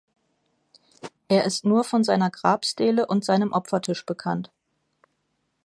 Er ist nur von seiner Grabstele und seinem Opfertisch bekannt.